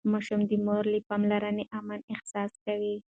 ماشوم د مور له پاملرنې امن احساس کوي.